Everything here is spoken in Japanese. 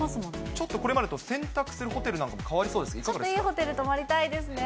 ちょっとこれまでと選択するホテルなんかも変わりそうですね。